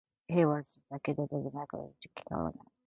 He was succeeded by Mark Carney.